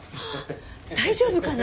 大丈夫かな？